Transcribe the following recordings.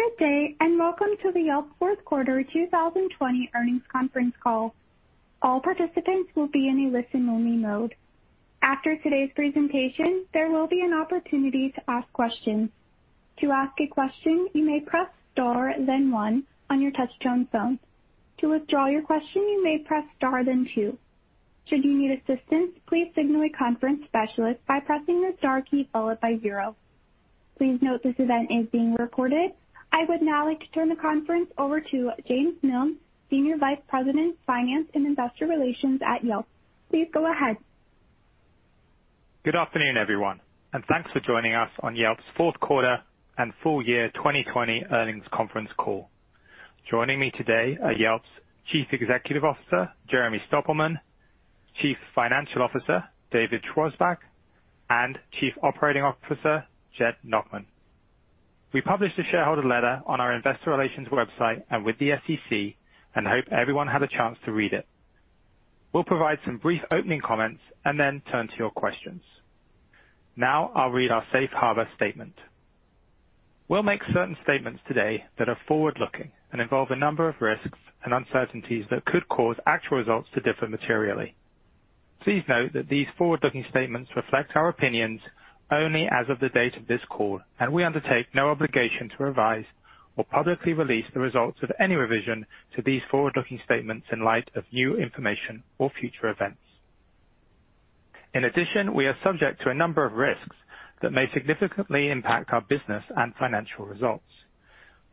Good day, and welcome to the Yelp fourth quarter 2020 earnings conference call. All participants will be in a listen-only mode. After today's presentation, there will be an opportunity to ask questions. To ask a question, you may press star then one on your touch-tone phone. To withdraw your question, you may press star then two. Should you need assistance, please signal a conference specialist by pressing the star key followed by zero. Please note this event is being recorded. I would now like to turn the conference over to James Miln, Senior Vice President, Finance and Investor Relations at Yelp. Please go ahead. Good afternoon, everyone, and thanks for joining us on Yelp's fourth quarter and full year 2020 earnings conference call. Joining me today are Yelp's Chief Executive Officer, Jeremy Stoppelman, Chief Financial Officer, David Schwarzbach, and Chief Operating Officer, Jed Nachman. We published a shareholder letter on our investor relations website and with the SEC, and hope everyone had a chance to read it. We'll provide some brief opening comments and then turn to your questions. Now I'll read our safe harbor statement. We'll make certain statements today that are forward-looking and involve a number of risks and uncertainties that could cause actual results to differ materially. Please note that these forward-looking statements reflect our opinions only as of the date of this call, and we undertake no obligation to revise or publicly release the results of any revision to these forward-looking statements in light of new information or future events. In addition, we are subject to a number of risks that may significantly impact our business and financial results.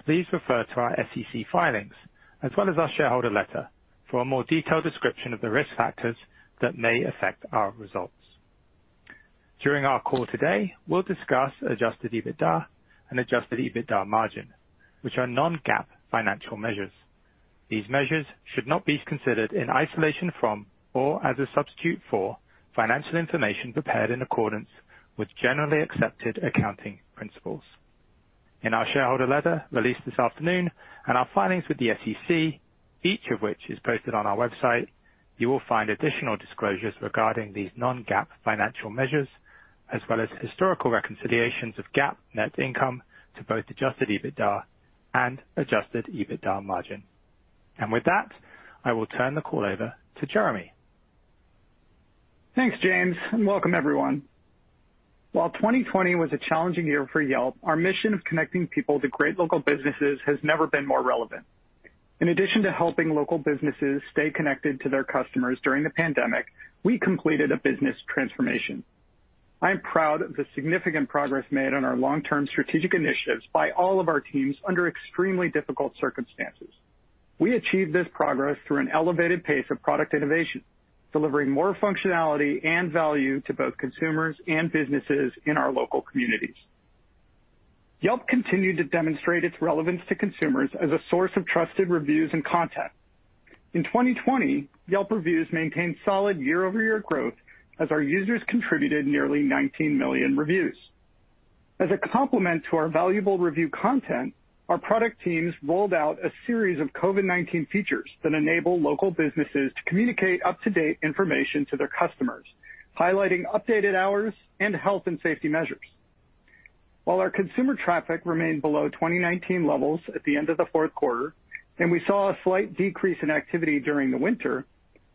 Please refer to our SEC filings, as well as our shareholder letter, for a more detailed description of the risk factors that may affect our results. During our call today, we'll discuss adjusted EBITDA and adjusted EBITDA margin, which are non-GAAP financial measures. These measures should not be considered in isolation from, or as a substitute for, financial information prepared in accordance with generally accepted accounting principles. In our shareholder letter released this afternoon, and our filings with the SEC, each of which is posted on our website, you will find additional disclosures regarding these non-GAAP financial measures, as well as historical reconciliations of GAAP net income to both adjusted EBITDA and adjusted EBITDA margin. With that, I will turn the call over to Jeremy. Thanks, James, and welcome everyone. While 2020 was a challenging year for Yelp, our mission of connecting people to great local businesses has never been more relevant. In addition to helping local businesses stay connected to their customers during the pandemic, we completed a business transformation. I am proud of the significant progress made on our long-term strategic initiatives by all of our teams under extremely difficult circumstances. We achieved this progress through an elevated pace of product innovation, delivering more functionality and value to both consumers and businesses in our local communities. Yelp continued to demonstrate its relevance to consumers as a source of trusted reviews and content. In 2020, Yelp reviews maintained solid year-over-year growth as our users contributed nearly 19 million reviews. As a complement to our valuable review content, our product teams rolled out a series of COVID-19 features that enable local businesses to communicate up-to-date information to their customers, highlighting updated hours and health, and safety measures. While our consumer traffic remained below 2019 levels at the end of the fourth quarter, and we saw a slight decrease in activity during the winter,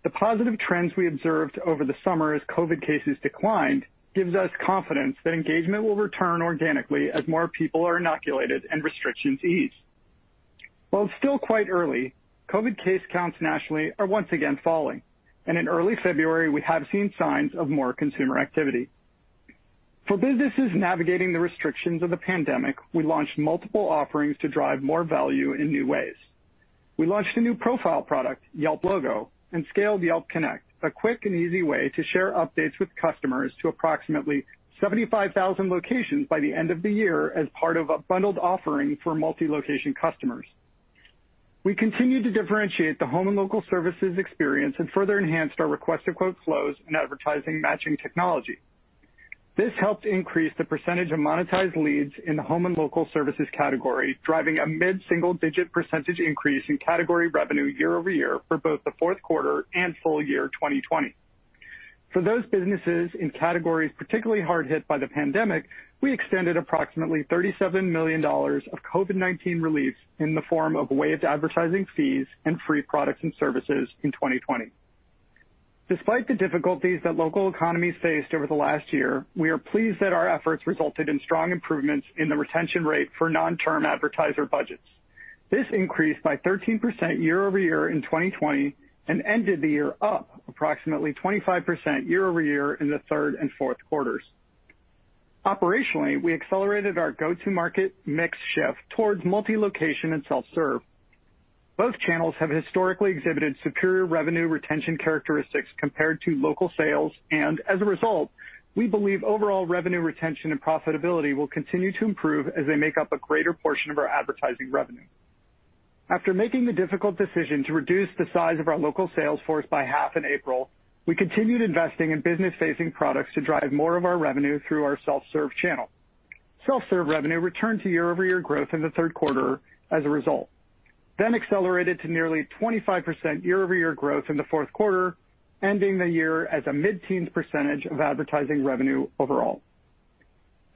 the positive trends we observed over the summer, as COVID cases declined gives us confidence that engagement will return organically as more people are inoculated and restrictions ease. While it's still quite early, COVID case counts nationally are once again falling, and in early February, we have seen signs of more consumer activity. For businesses navigating the restrictions of the pandemic, we launched multiple offerings to drive more value in new ways. We launched a new profile product, Yelp Logo, and scaled Yelp Connect, a quick and easy way to share updates with customers to approximately 75,000 locations by the end of the year as part of a bundled offering for multi-location customers. We continued to differentiate the home and local services experience and further enhanced our Request a Quote flows and advertising matching technology. This helped increase the percentage of monetized leads in the home and local services category, driving a mid-single-digit percentage increase in category revenue year-over-year for both the fourth quarter and full year 2020. For those businesses in categories particularly hard hit by the pandemic, we extended approximately $37 million of COVID-19 relief in the form of waived advertising fees and free products and services in 2020. Despite the difficulties that local economies faced over the last year, we are pleased that our efforts resulted in strong improvements in the retention rate for non-term advertiser budgets. This increased by 13% year-over-year in 2020 and ended the year up approximately 25% year-over-year in the third and fourth quarters. Operationally, we accelerated our go-to-market mix shift towards multi-location and self-serve. Both channels have historically exhibited superior revenue retention characteristics compared to local sales, and as a result, we believe overall revenue retention and profitability will continue to improve as they make up a greater portion of our advertising revenue. After making the difficult decision to reduce the size of our local sales force by half in April, we continued investing in business-facing products to drive more of our revenue through our self-serve channel. Self-serve revenue returned to year-over-year growth in the third quarter as a result. Accelerated to nearly 25% year-over-year growth in the fourth quarter, ending the year as a mid-teens percentage of advertising revenue overall.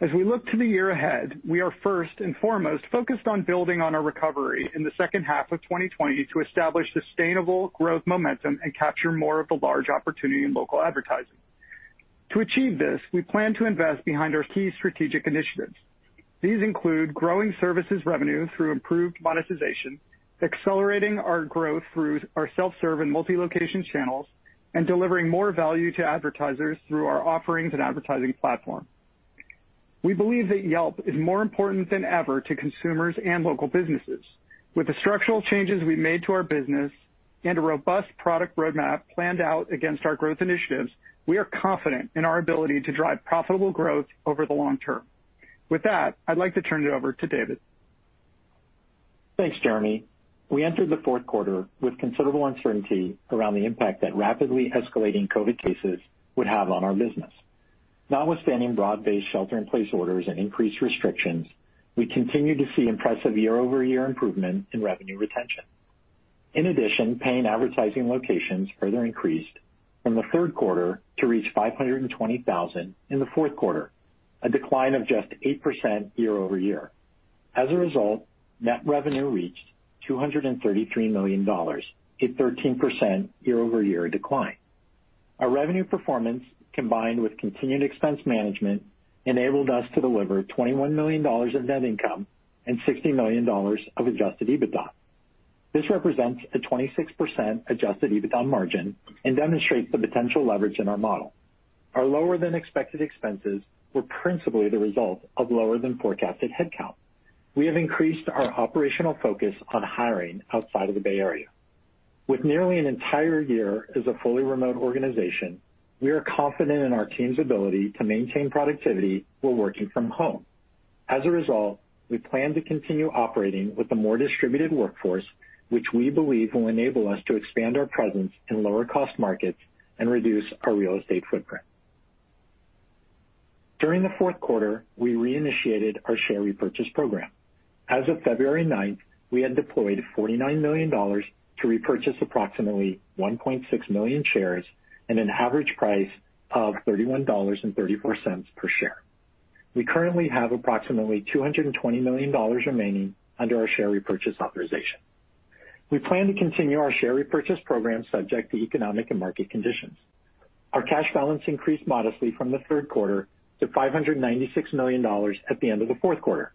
As we look to the year ahead, we are first and foremost focused on building on a recovery in the second half of 2020 to establish sustainable growth momentum and capture more of the large opportunity in local advertising. To achieve this, we plan to invest behind our key strategic initiatives. These include growing services revenue through improved monetization, accelerating our growth through our self-serve and multi-location channels, and delivering more value to advertisers through our offerings and advertising platform. We believe that Yelp is more important than ever to consumers and local businesses. With the structural changes we've made to our business and a robust product roadmap planned out against our growth initiatives, we are confident in our ability to drive profitable growth over the long term. With that, I'd like to turn it over to David. Thanks, Jeremy. We entered the fourth quarter with considerable uncertainty around the impact that rapidly escalating COVID cases would have on our business. Notwithstanding broad-based shelter-in-place orders and increased restrictions, we continued to see impressive year-over-year improvement in revenue retention. In addition, paying advertising locations further increased from the third quarter to reach 520,000 in the fourth quarter, a decline of just 8% year-over-year. As a result, net revenue reached $233 million, a 13% year-over-year decline. Our revenue performance, combined with continued expense management, enabled us to deliver $21 million in net income and $60 million of adjusted EBITDA. This represents a 26% adjusted EBITDA margin and demonstrates the potential leverage in our model. Our lower than expected expenses were principally the result of lower than forecasted headcount. We have increased our operational focus on hiring outside of the Bay Area. With nearly an entire year as a fully remote organization, we are confident in our team's ability to maintain productivity while working from home. As a result, we plan to continue operating with a more distributed workforce, which we believe will enable us to expand our presence in lower-cost markets and reduce our real estate footprint. During the fourth quarter, we reinitiated our share repurchase program. As of February 9th, we had deployed $49 million to repurchase approximately 1.6 million shares at an average price of $31.34 per share. We currently have approximately $220 million remaining under our share repurchase authorization. We plan to continue our share repurchase program, subject to economic and market conditions. Our cash balance increased modestly from the third quarter to $596 million at the end of the fourth quarter.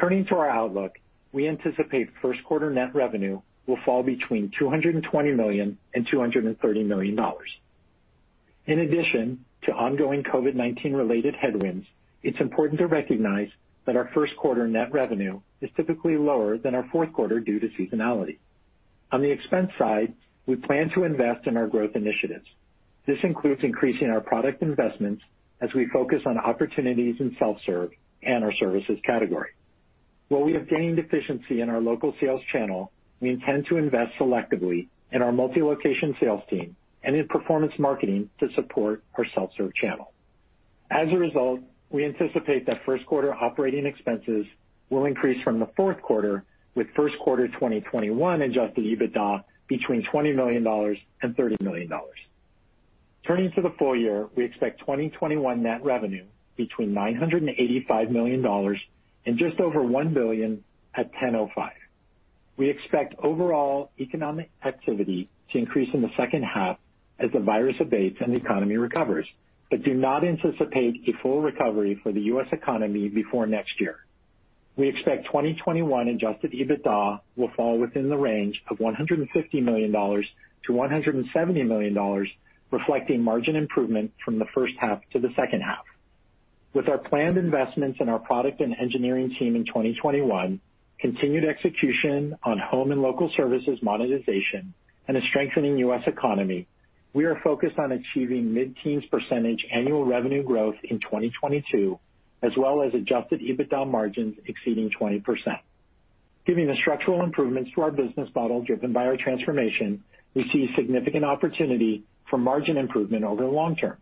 Turning to our outlook, we anticipate first quarter net revenue will fall between $220 million and $230 million. In addition to ongoing COVID-19-related headwinds, it's important to recognize that our first quarter net revenue is typically lower than our fourth quarter due to seasonality. On the expense side, we plan to invest in our growth initiatives. This includes increasing our product investments as we focus on opportunities in self-serve and our services category. While we have gained efficiency in our local sales channel, we intend to invest selectively in our multi-location sales team and in performance marketing to support our self-serve channel. As a result, we anticipate that first-quarter operating expenses will increase from the fourth quarter, with first quarter 2021 adjusted EBITDA between $20 million and $30 million. Turning to the full year, we expect 2021 net revenue between $985 million and $1,005 million. We expect overall economic activity to increase in the second half as the virus abates and the economy recovers, but do not anticipate a full recovery for the U.S. economy before next year. We expect 2021 adjusted EBITDA will fall within the range of $150 million-$170 million, reflecting margin improvement from the first half to the second half. With our planned investments in our product and engineering team in 2021, continued execution on home and local services monetization, and a strengthening U.S. economy, we are focused on achieving mid-teens percentage annual revenue growth in 2022, as well as adjusted EBITDA margins exceeding 20%. Given the structural improvements to our business model driven by our transformation, we see significant opportunity for margin improvement over the long term.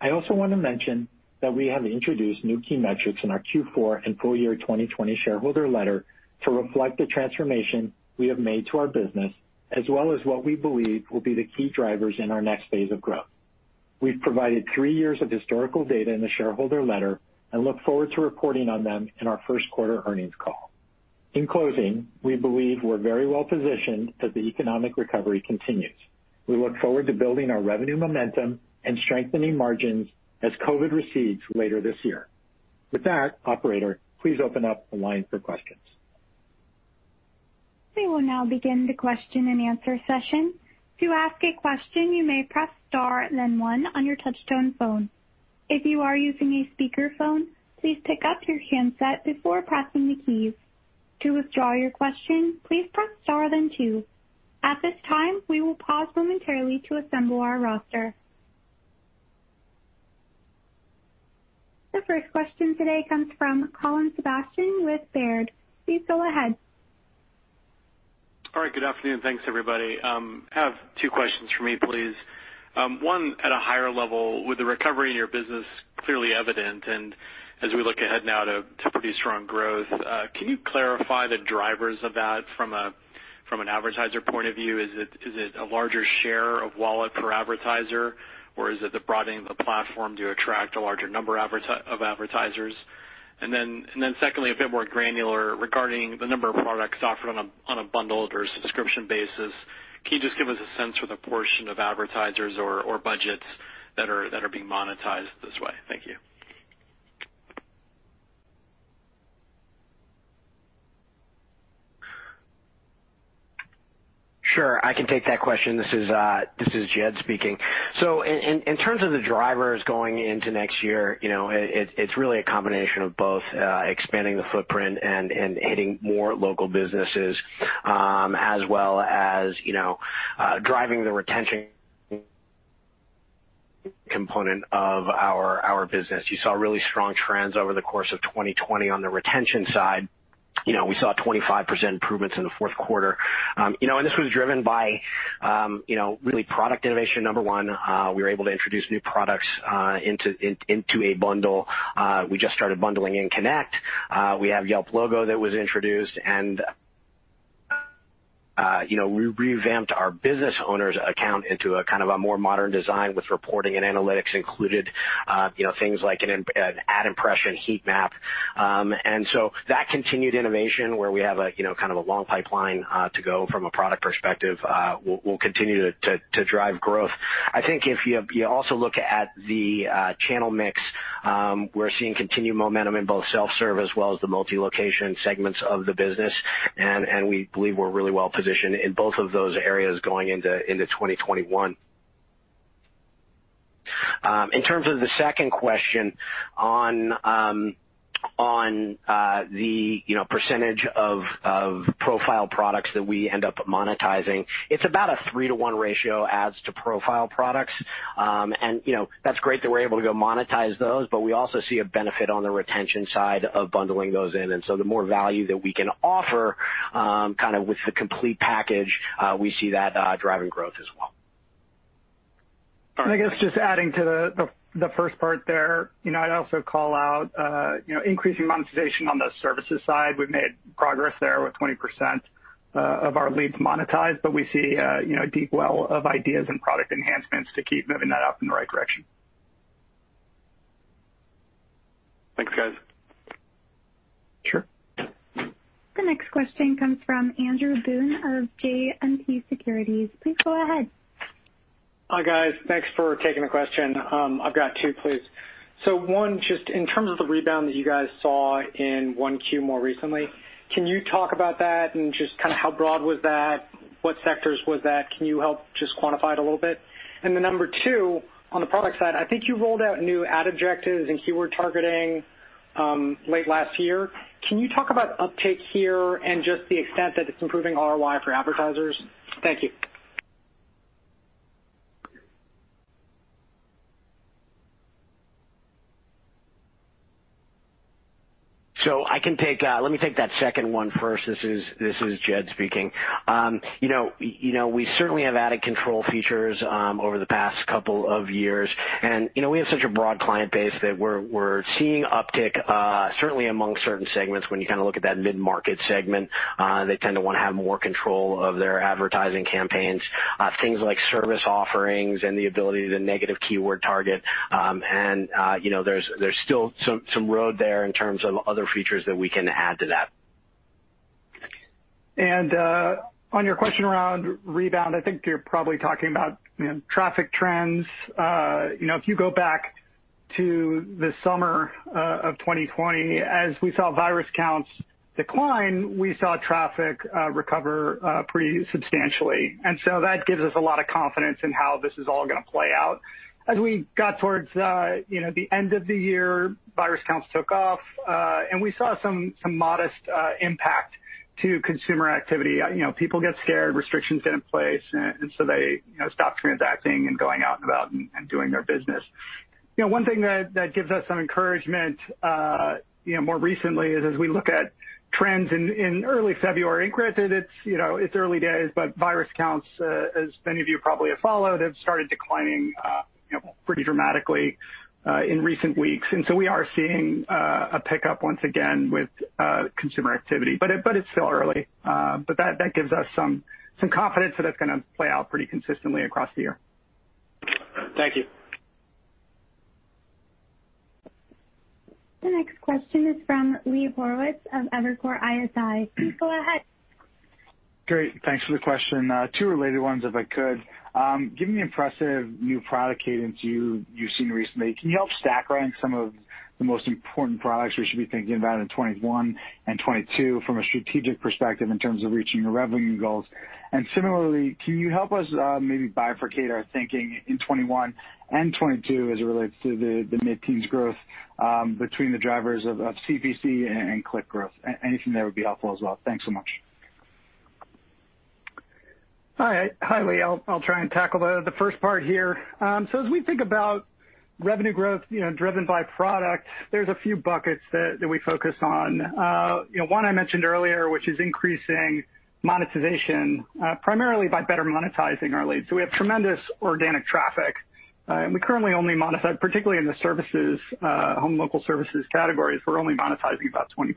I also want to mention that we have introduced new key metrics in our Q4 and full-year 2020 shareholder letter to reflect the transformation we have made to our business, as well as what we believe will be the key drivers in our next phase of growth. We've provided three years of historical data in the shareholder letter and look forward to reporting on them in our first quarter earnings call. In closing, we believe we're very well positioned as the economic recovery continues. We look forward to building our revenue momentum and strengthening margins as COVID recedes later this year. With that, operator, please open up the line for questions. We will now begin the question and answer session. To ask a question, you may press star then one on your touch-tone phone. If you are using a speakerphone, please pick up your handset before pressing the keys. To withdraw your question, please press star then two. At this time, we will pause momentarily to assemble our roster. The first question today comes from Colin Sebastian with Baird. Please go ahead. All right. Good afternoon. Thanks, everybody. I have two questions for me, please. One, at a higher level, with the recovery in your business clearly evident, and as we look ahead now to pretty strong growth, can you clarify the drivers of that from an advertiser point of view? Is it a larger share of wallet per advertiser, or is it the broadening of the platform to attract a larger number of advertisers? Secondly, a bit more granular regarding the number of products offered on a bundled or subscription basis, can you just give us a sense for the portion of advertisers or budgets that are being monetized this way? Thank you. Sure. I can take that question. This is Jed speaking. In terms of the drivers going into next year, it's really a combination of both expanding the footprint and hitting more local businesses, as well as driving the retention component of our business. You saw really strong trends over the course of 2020 on the retention side. We saw 25% improvements in the fourth quarter. This was driven by really product innovation, number one. We were able to introduce new products into a bundle. We just started bundling in Connect. We have Yelp Logo that was introduced, and we revamped our business owner's account into a more modern design with reporting and analytics included, things like an ad impression heat map. That continued innovation, where we have a long pipeline to go from a product perspective, will continue to drive growth. I think if you also look at the channel mix, we're seeing continued momentum in both self-serve as well as the multi-location segments of the business. We believe we're really well-positioned in both of those areas going into 2021. In terms of the second question on the percentage of profile products that we end up monetizing, it's about a 3:1 ratio, ads to profile products. That's great that we're able to go monetize those, but we also see a benefit on the retention side of bundling those in. The more value that we can offer with the complete package, we see that driving growth as well. All right. I guess just adding to the first part there, I'd also call out increasing monetization on the services side. We've made progress there with 20% of our leads monetized, but we see a deep well of ideas and product enhancements to keep moving that up in the right direction. Thanks, guys. Sure. The next question comes from Andrew Boone of JMP Securities. Please go ahead. Hi, guys. Thanks for taking the question. I've got two, please. One, just in terms of the rebound that you guys saw in 1Q more recently, can you talk about that and just how broad was that? What sectors was that? Can you help just quantify it a little bit? Number two, on the product side, I think you rolled out new ad objectives and keyword targeting late last year. Can you talk about uptake here and just the extent that it's improving ROI for advertisers? Thank you. Let me take that second one first. This is Jed speaking. We certainly have added control features over the past couple of years, and we have such a broad client base that we're seeing uptick, certainly among certain segments. When you look at that mid-market segment, they tend to want to have more control of their advertising campaigns. Things like service offerings and the ability to negative keyword target. There's still some road there in terms of other features that we can add to that. On your question around rebound, I think you're probably talking about traffic trends. If you go back to the summer of 2020, as we saw virus counts decline, we saw traffic recover pretty substantially. That gives us a lot of confidence in how this is all going to play out. As we got towards the end of the year, virus counts took off, and we saw some modest impact to consumer activity. People get scared, restrictions get in place, and so they stop transacting and going out and about and doing their business. One thing that gives us some encouragement more recently is as we look at trends in early February, and granted it's early days, but virus counts, as many of you probably have followed, have started declining pretty dramatically in recent weeks. We are seeing a pickup once again with consumer activity. It's still early. That gives us some confidence that that's going to play out pretty consistently across the year. Thank you. The next question is from Lee Horowitz of Evercore ISI. Please go ahead. Great. Thanks for the question. Two related ones, if I could. Given the impressive new product cadence you've seen recently, can you help stack rank some of the most important products we should be thinking about in 2021 and 2022 from a strategic perspective in terms of reaching your revenue goals? Similarly, can you help us maybe bifurcate our thinking in 2021 and 2022 as it relates to the mid-teens growth between the drivers of CPC and click growth? Anything there would be helpful as well. Thanks so much. Hi, Lee. I'll try and tackle the first part here. As we think about revenue growth driven by product, there's a few buckets that we focus on. One I mentioned earlier, which is increasing monetization, primarily by better monetizing our leads. We have tremendous organic traffic, and we currently only monetize, particularly in the home local services categories; we're only monetizing about 20%.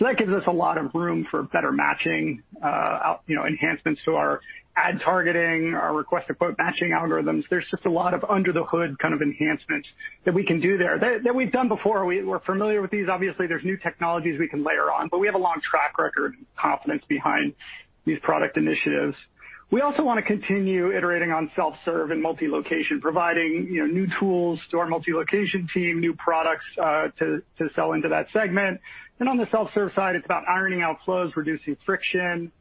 That gives us a lot of room for better matching enhancements to our ad targeting, our Request a Quote matching algorithms. There's just a lot of under-the-hood kind of enhancements that we can do there, that we've done before. We're familiar with these. Obviously, there's new technologies we can layer on, but we have a long track record and confidence behind these product initiatives. We also want to continue iterating on self-serve and multi-location, providing new tools to our multi-location team, new products to sell into that segment. On the self-serve side, it's about ironing out flows, reducing friction,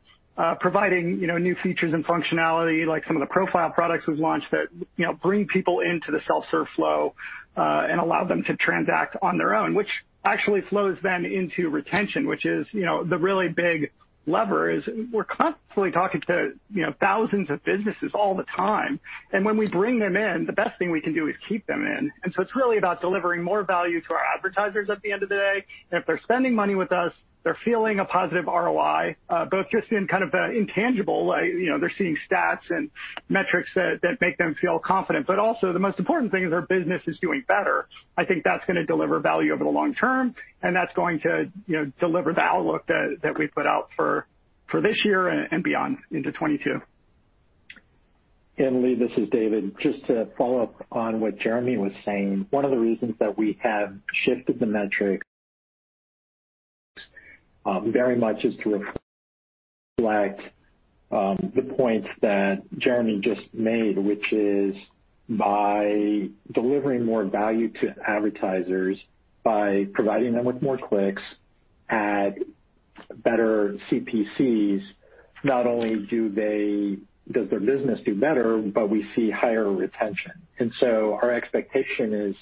providing new features and functionality like some of the profile products we've launched that bring people into the self-serve flow and allow them to transact on their own. Which actually flows then into retention, which is the really big lever, is we're constantly talking to thousands of businesses all the time. When we bring them in, the best thing we can do is keep them in. It's really about delivering more value to our advertisers at the end of the day. If they're spending money with us, they're feeling a positive ROI, both just in kind of the intangible, they're seeing stats and metrics that make them feel confident. Also, the most important thing is their business is doing better. I think that's going to deliver value over the long term, and that's going to deliver the outlook that we put out for this year and beyond into 2022. Lee, this is David. Just to follow up on what Jeremy was saying, one of the reasons that we have shifted the metric very much is to reflect the points that Jeremy just made, which is by delivering more value to advertisers, by providing them with more clicks at better CPCs, not only does their business do better, but we see higher retention. Our expectation is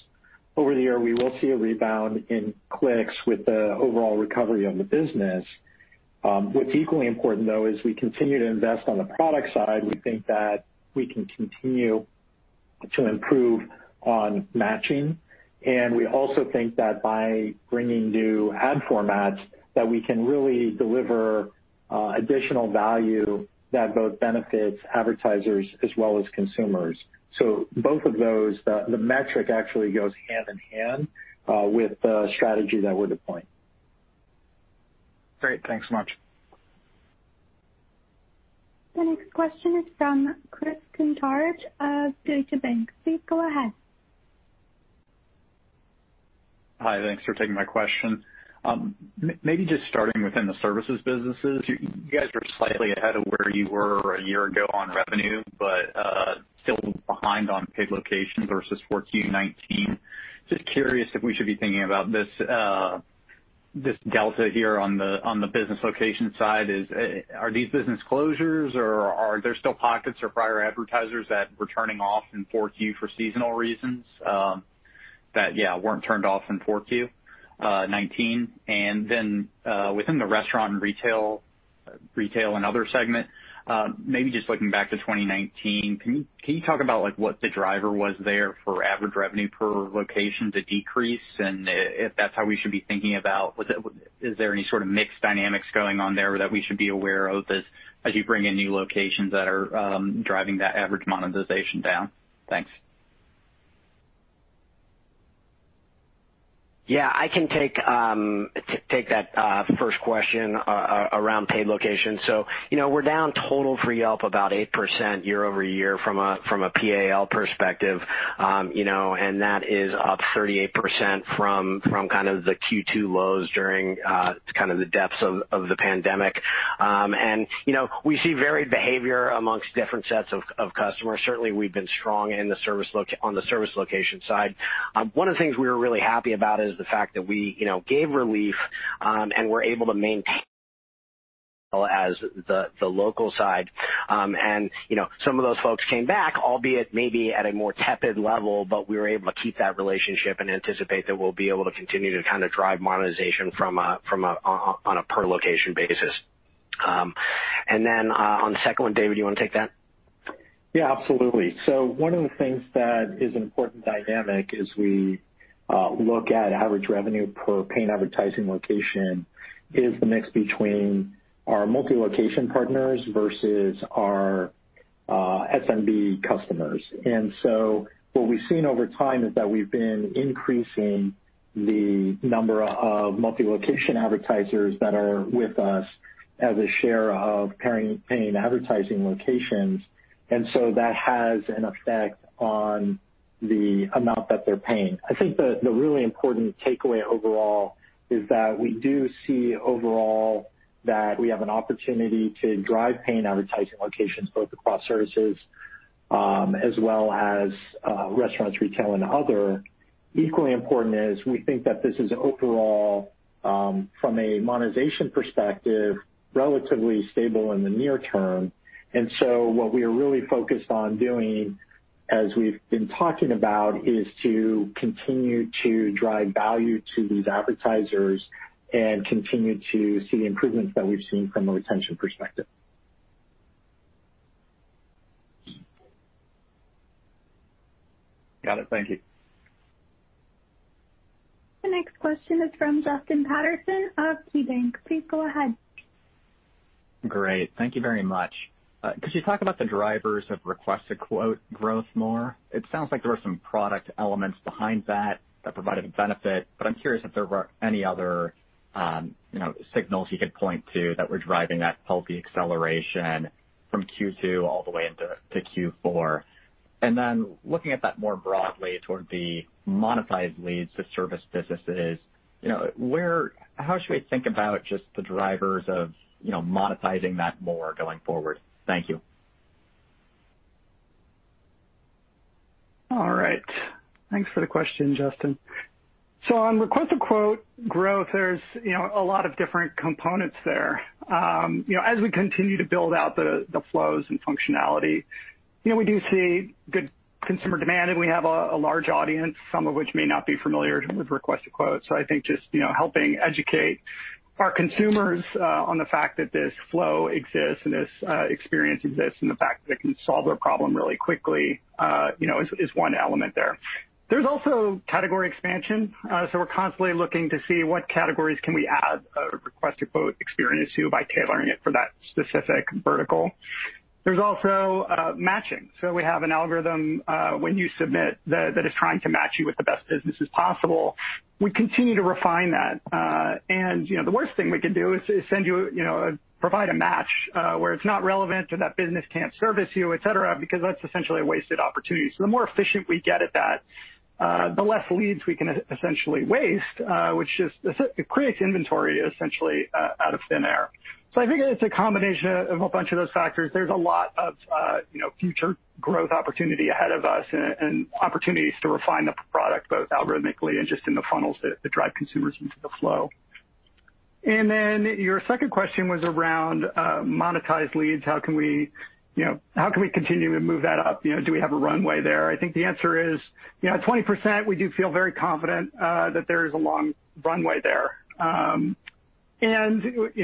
over the year, we will see a rebound in clicks with the overall recovery of the business. What's equally important, though, is we continue to invest on the product side. We think that we can continue to improve on matching. We also think that by bringing new ad formats, that we can really deliver additional value that both benefits advertisers as well as consumers. Both of those, the metric actually goes hand-in-hand with the strategy that we're deploying. Great. Thanks so much. The next question is from Chris Kuntarich of Deutsche Bank. Please go ahead. Hi. Thanks for taking my question. Maybe just starting within the services businesses. You guys are slightly ahead of where you were a year ago on revenue, but still behind on paid location versus Q4 2019. Just curious if we should be thinking about this delta here on the business location side. Are these business closures, or are there still pockets of prior advertisers that were turning off in Q4 for seasonal reasons that weren't turned off in 4Q 2019? Then, within the restaurant and retail and other segment, maybe just looking back to 2019, can you talk about what the driver was there for average revenue per location to decrease? If that's how we should be thinking about, is there any sort of mixed dynamics going on there that we should be aware of as you bring in new locations that are driving that average monetization down? Thanks. Yeah, I can take that first question around paid location. We're down total for Yelp about 8% year-over-year from a PAL perspective. That is up 38% from kind of the Q2 lows during the depths of the pandemic. We see varied behavior amongst different sets of customers. Certainly, we've been strong on the service location side. One of the things we were really happy about is the fact that we gave relief and were able to maintain as the local side. Some of those folks came back, albeit maybe at a more tepid level, but we were able to keep that relationship and anticipate that we'll be able to continue to kind of drive monetization on a per-location basis. Then, on the second one, David, you want to take that? Absolutely. One of the things that is an important dynamic as we look at average revenue per paying advertising location is the mix between our multi-location partners versus our SMB customers. What we've seen over time is that we've been increasing the number of multi-location advertisers that are with us as a share of paying advertising locations. That has an effect on the amount that they're paying. I think the really important takeaway overall is that we do see overall that we have an opportunity to drive paying advertising locations both across services as well as restaurants, retail, and other. Equally important is we think that this is overall, from a monetization perspective, relatively stable in the near term. What we are really focused on doing, as we've been talking about, is to continue to drive value to these advertisers and continue to see improvements that we've seen from a retention perspective. Got it. Thank you. The next question is from Justin Patterson of KeyBanc. Please go ahead. Great. Thank you very much. Could you talk about the drivers of Request a Quote growth more? It sounds like there were some product elements behind that that provided a benefit. I'm curious if there were any other signals you could point to that were driving that healthy acceleration from Q2 all the way into Q4. Looking at that more broadly toward the monetized leads to service businesses, how should we think about just the drivers of monetizing that more going forward? Thank you. All right. Thanks for the question, Justin. On Request a Quote growth, there's a lot of different components there. As we continue to build out the flows and functionality, we do see good consumer demand, and we have a large audience, some of which may not be familiar with Request a Quote. I think just helping educate our consumers on the fact that this flow exists and this experience exists, and the fact that it can solve their problem really quickly is one element there. There's also category expansion. We're constantly looking to see what categories can we add a Request a Quote experience to by tailoring it for that specific vertical. There's also matching. We have an algorithm, when you submit, that is trying to match you with the best businesses possible. We continue to refine that. The worst thing we could do is provide a match where it's not relevant or that business can't service you, et cetera, because that's essentially a wasted opportunity. The more efficient we get at that, the less leads we can essentially waste, which just creates inventory, essentially, out of thin air. I think it's a combination of a bunch of those factors. There's a lot of future growth opportunity ahead of us and opportunities to refine the product, both algorithmically and just in the funnels that drive consumers into the flow. Then your second question was around monetized leads. How can we continue to move that up? Do we have a runway there? I think the answer is, at 20%, we do feel very confident that there is a long runway there.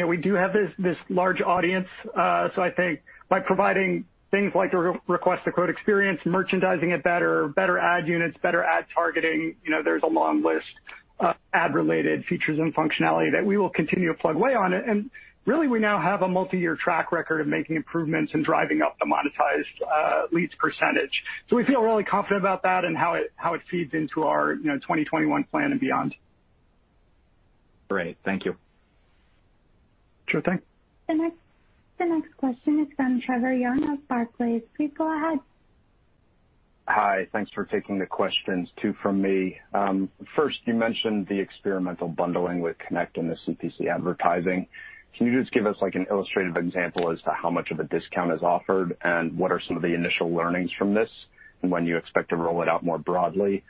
We do have this large audience. I think by providing things like the Request a Quote experience, merchandising it better ad units, better ad targeting. There's a long list of ad-related features and functionality that we will continue to plug away on. Really, we now have a multi-year track record of making improvements and driving up the monetized leads percentage. We feel really confident about that and how it feeds into our 2021 plan and beyond. Great. Thank you. Sure thing. The next question is from Trevor Young of Barclays. Please go ahead. Hi. Thanks for taking the questions. Two from me. First, you mentioned the experimental bundling with Connect and the CPC advertising. Can you just give us an illustrative example as to how much of a discount is offered, and what are some of the initial learnings from this, and when you expect to roll it out more broadly?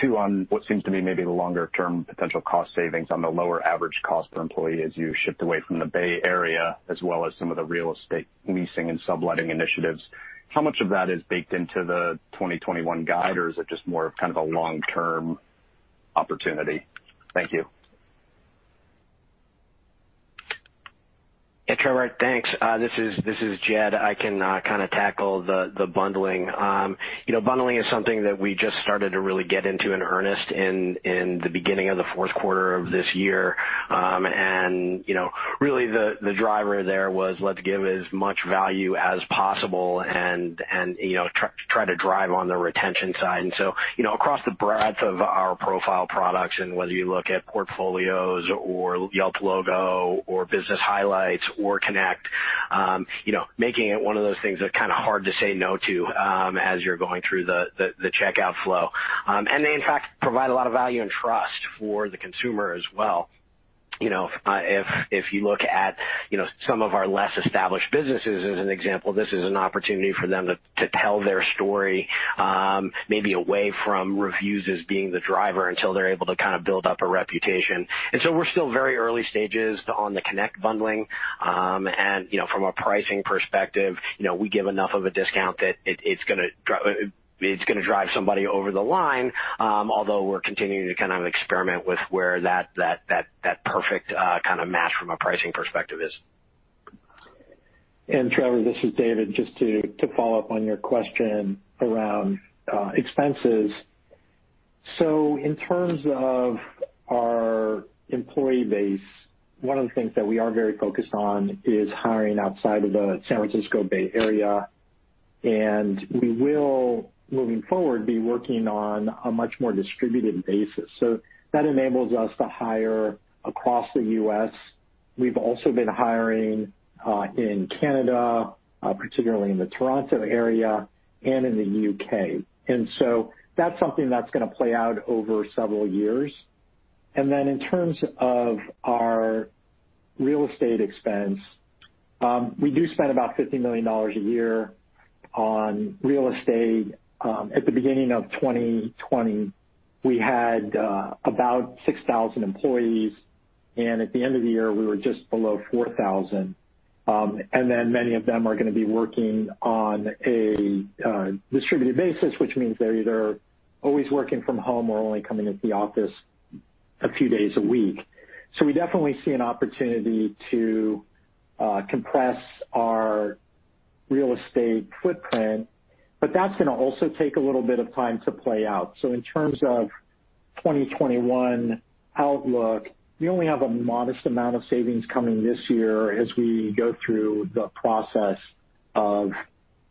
Two, on what seems to be maybe the longer-term potential cost savings on the lower average cost per employee as you shift away from the Bay Area, as well as some of the real estate leasing and subletting initiatives. How much of that is baked into the 2021 guide, or is it just more of a long-term opportunity? Thank you. Yeah, Trevor. Thanks. This is Jed. I can tackle the bundling. Bundling is something that we just started to really get into in earnest in the beginning of the fourth quarter of this year. Really, the driver there was let's give as much value as possible and try to drive on the retention side. Across the breadth of our profile products, and whether you look at portfolios or Yelp Logo or business highlights or Connect, making it one of those things that's kind of hard to say no to as you're going through the checkout flow. They, in fact, provide a lot of value and trust for the consumer as well. If you look at some of our less-established businesses as an example, this is an opportunity for them to tell their story, maybe away from reviews, as being the driver until they're able to build up a reputation. We're still very early stages on the Connect bundling. From a pricing perspective, we give enough of a discount that it's going to drive somebody over the line. Although we're continuing to experiment with where that perfect kind of match from a pricing perspective is. Trevor, this is David. Just to follow up on your question around expenses. In terms of our employee base, one of the things that we are very focused on is hiring outside of the San Francisco Bay Area. We will, moving forward, be working on a much more distributed basis. That enables us to hire across the U.S. We've also been hiring in Canada, particularly in the Toronto area, and in the U.K. That's something that's going to play out over several years. In terms of our real estate expense, we do spend about $50 million a year on real estate. At the beginning of 2020, we had about 6,000 employees, and at the end of the year, we were just below 4,000. Many of them are going to be working on a distributed basis, which means they're either always working from home or only coming into the office a few days a week. We definitely see an opportunity to compress our real estate footprint, but that's going to also take a little bit of time to play out. In terms of 2021 outlook, we only have a modest amount of savings coming this year as we go through the process of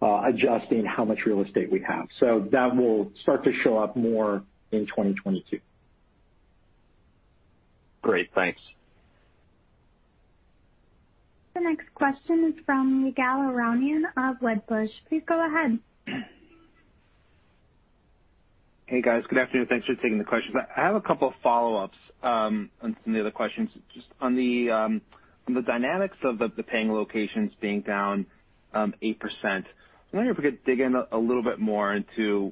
adjusting how much real estate we have. That will start to show up more in 2022. Great. Thanks. The next question is from Ygal Arounian of Wedbush. Please go ahead. Hey, guys. Good afternoon. Thanks for taking the questions. I have a couple of follow-ups on some of the other questions. Just on the dynamics of the paying locations being down 8%, I wonder if we could dig in a little bit more into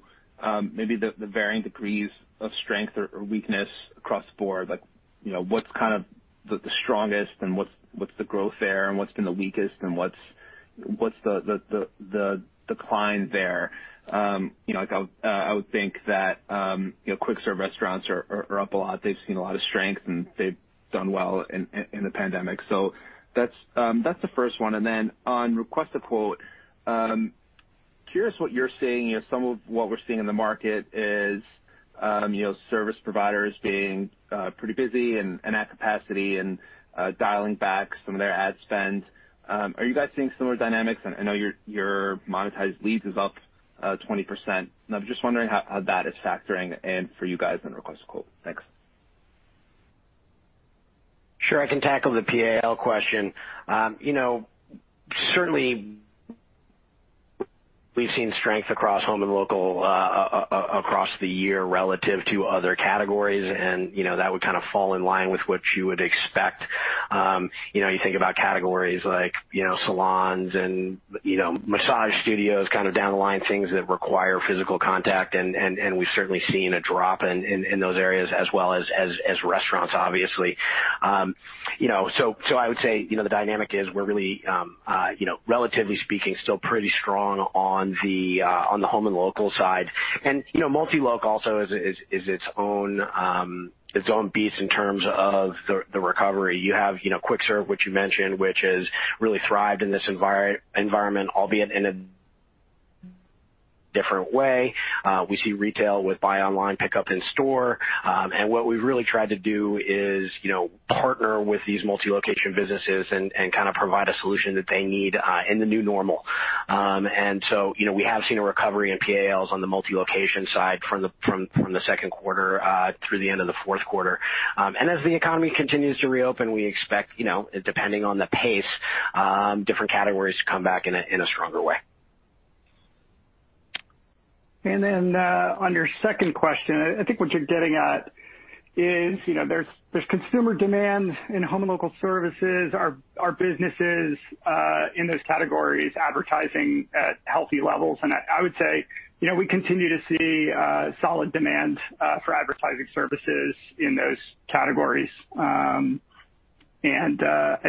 maybe the varying degrees of strength or weakness across the board. What's kind of the strongest, and what's the growth there, and what's been the weakest, and what's the decline there? I would think that quick-serve restaurants are up a lot. They've seen a lot of strength, and they've done well in the pandemic. That's the first one. On Request a Quote, curious what you're seeing. Some of what we're seeing in the market is service providers being pretty busy and at capacity, and dialing back some of their ad spend. Are you guys seeing similar dynamics? I know your monetized leads is up 20%, and I'm just wondering how that is factoring in for you guys in Request a Quote. Thanks. Sure. I can tackle the PAL question. Certainly, we've seen strength across home and local, across the year relative to other categories, and that would kind of fall in line with what you would expect. You think about categories like salons and massage studios, kind of down the line, things that require physical contact, and we've certainly seen a drop in those areas as well as restaurants, obviously. I would say the dynamic is we're really, relatively speaking, still pretty strong on the home and local side. Multi-loc also is its own beast in terms of the recovery. You have quick serve, which you mentioned, which has really thrived in this environment, albeit in a different way. We see retail with buy online, pickup in store. What we've really tried to do is partner with these multi-location businesses and kind of provide a solution that they need in the new normal. We have seen a recovery in PALs on the multi-location side from the second quarter through the end of the fourth quarter. As the economy continues to reopen, we expect, depending on the pace, different categories to come back in a stronger way. On your second question, I think what you're getting at is, there's consumer demand in home and local services. Are businesses in those categories advertising at healthy levels? I would say we continue to see solid demand for advertising services in those categories. I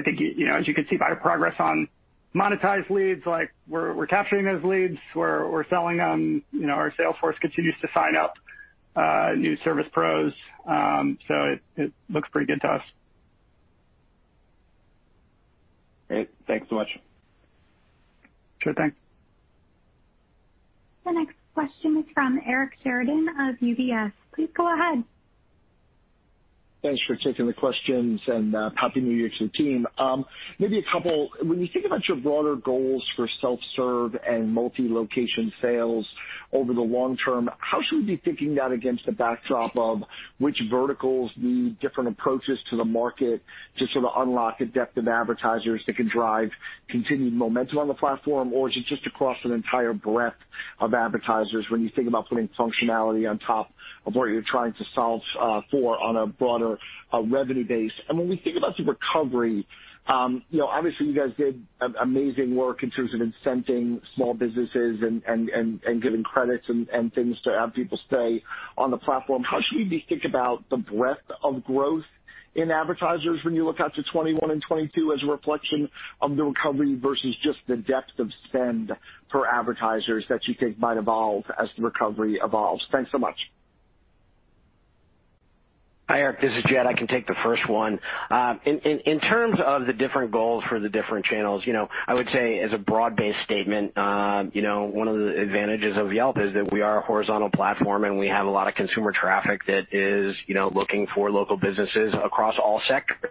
think, as you can see by the progress on monetized leads, we're capturing those leads. We're selling them. Our sales force continues to sign up new service pros. It looks pretty good to us. Great. Thanks so much. Sure thing. The next question is from Eric Sheridan of UBS. Please go ahead. Thanks for taking the questions, and happy new year to the team. Maybe a couple. When you think about your broader goals for self-serve and multi-location sales over the long term, how should we be thinking that against the backdrop of which verticals need different approaches to the market to sort of unlock adaptive advertisers that can drive continued momentum on the platform? Is it just across an entire breadth of advertisers when you think about putting functionality on top of what you're trying to solve for on a broader revenue base? When we think about the recovery, obviously, you guys did amazing work in terms of incenting small businesses and giving credits and things to have people stay on the platform. How should we think about the breadth of growth in advertisers when you look out to 2021 and 2022 as a reflection of the recovery versus just the depth of spend for advertisers that you think might evolve as the recovery evolves? Thanks so much. Hi, Eric. This is Jed. I can take the first one. In terms of the different goals for the different channels, I would say, as a broad-based statement, one of the advantages of Yelp is that we are a horizontal platform, and we have a lot of consumer traffic that is looking for local businesses across all sectors.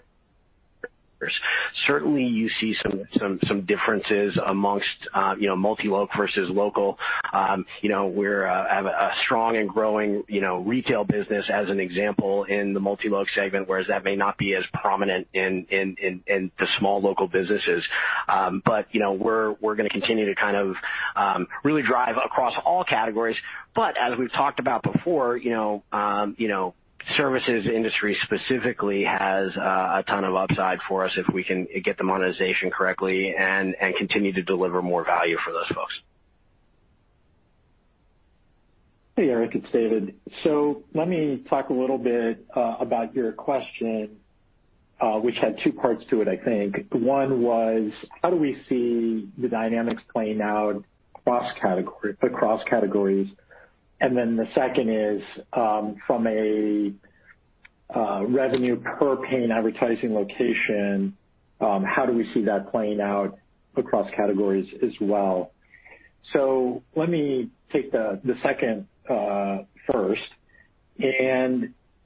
Certainly, you see some differences amongst multi-loc versus local. We have a strong and growing retail business, as an example, in the multi-loc segment, whereas that may not be as prominent in the small local businesses. We're going to continue to kind of really drive across all categories. As we've talked about before, services industry specifically has a ton of upside for us if we can get the monetization correctly and continue to deliver more value for those folks. Hey, Eric, it's David. Let me talk a little bit about your question, which had two parts to it, I think. One was, how do we see the dynamics playing out across categories? The second is, from a revenue per paying advertising location, how do we see that playing out across categories as well? Let me take the second first.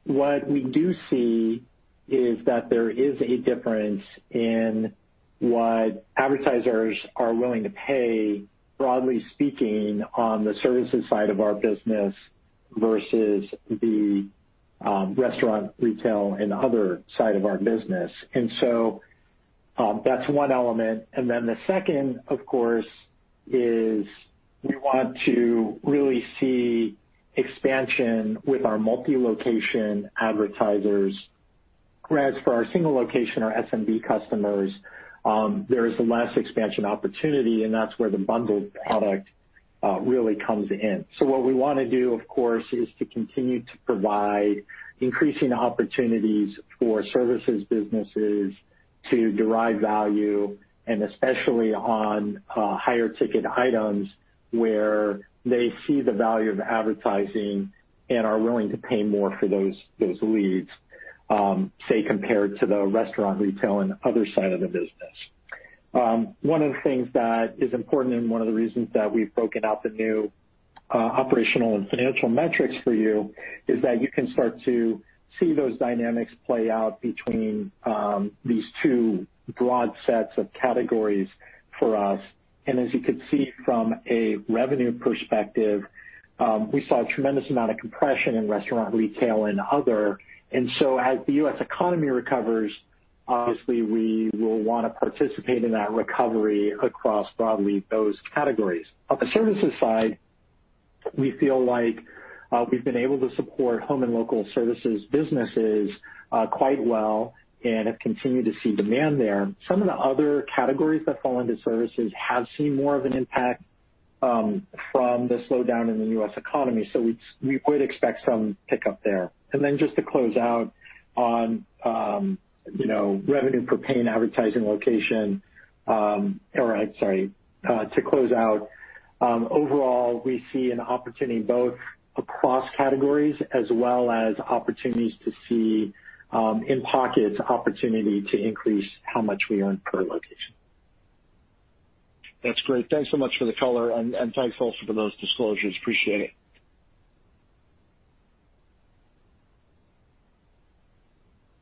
What we do see is that there is a difference in what advertisers are willing to pay, broadly speaking, on the services side of our business versus the restaurant, retail, and other side of our business. That's one element. The second, of course, is we want to really see expansion with our multi-location advertisers. Whereas for our single location, our SMB customers, there is less expansion opportunity, and that's where the bundled product really comes in. What we want to do, of course, is to continue to provide increasing opportunities for services businesses to derive value, and especially on higher ticket items where they see the value of advertising and are willing to pay more for those leads, say, compared to the restaurant, retail, and other side of the business. One of the things that is important and one of the reasons that we've broken out the new operational and financial metrics for you is that you can start to see those dynamics play out between these two broad sets of categories for us. As you can see from a revenue perspective, we saw a tremendous amount of compression in restaurant, retail, and other. As the U.S. economy recovers, obviously we will want to participate in that recovery across broadly those categories. On the services side, we feel like we've been able to support home and local services businesses quite well and have continued to see demand there. Some of the other categories that fall into services have seen more of an impact from the slowdown in the U.S. economy, so we quite expect some pickup there. Just to close out on revenue per paying advertising location. Sorry. To close out, overall, we see an opportunity both across categories as well as opportunities to see in pockets, opportunity to increase how much we earn per location. That's great. Thanks so much for the color and thanks also for those disclosures. Appreciate it.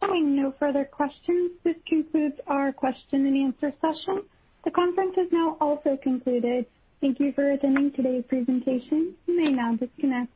Hearing no further questions, this concludes our question and answer session. The conference has now also concluded. Thank you for attending today's presentation. You may now disconnect.